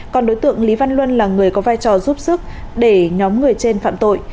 còn đối tượng lý văn luân là người có vai trò giúp sức để nhóm người trên phạm tội